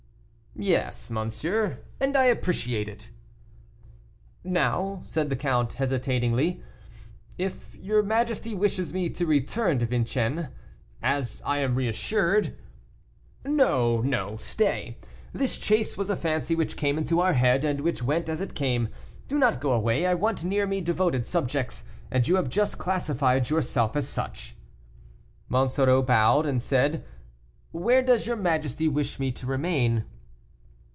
"Yes, monsieur, and I appreciate it." "Now," said the count, hesitatingly, "if your majesty wishes me to return to Vincennes, as I am reassured " "No, no, stay; this chase was a fancy which came into our head, and which went as it came; do not go away, I want near me devoted subjects, and you have just classed yourself as such." Monsoreau bowed, and said, "Where does your majesty wish me to remain?"